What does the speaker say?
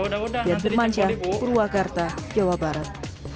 dan bermacam purwakarta jawa barat